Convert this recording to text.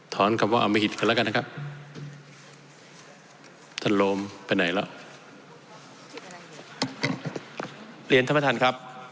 ตอนคำว่าอำมิหิตก่อนแล้วกันนะครับ